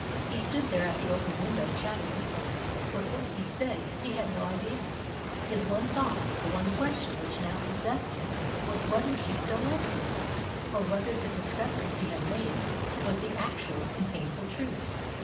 He stood there at the open window chatting with her, but what he said he had no idea. His one thought the one question which now possessed him was whether she still loved him, or whether the discovery he had made was the actual and painful truth.